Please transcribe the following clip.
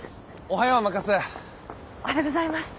おはようございます。